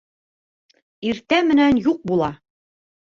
Иртә менән юҡ була.